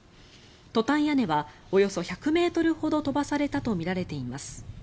トタン屋根はおよそ１００ｍほど飛ばされたとみられています。